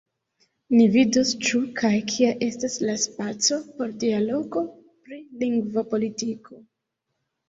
Ni vidos ĉu kaj kia estas la spaco por dialogo pri lingvopolitiko.